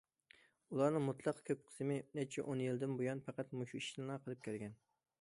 ئۇلارنىڭ مۇتلەق كۆپ قىسمى نەچچە ئون يىلدىن بۇيان پەقەت مۇشۇ ئىشنىلا قىلىپ كەلگەن.